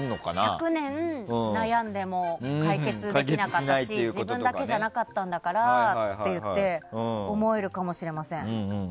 １００年悩んでも解決できなかったし自分だけじゃなかったんだからっていって思えるかもしれません。